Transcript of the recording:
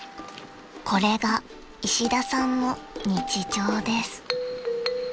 ［これが石田さんの日常です］